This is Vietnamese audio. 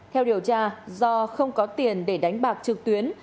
theo điều tra do không có tiền để đánh bạc trực tuyến